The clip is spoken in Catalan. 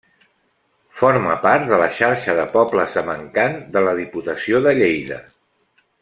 Forma part de la Xarxa de Pobles amb Encant de la Diputació de Lleida.